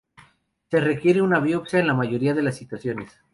Se requiere una biopsia en la mayoría de las situaciones.